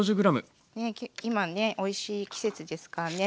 今ねおいしい季節ですからね。